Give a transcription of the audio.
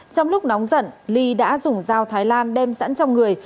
trong lúc nóng giận ly đã dùng dao thái lan đem sẵn trong người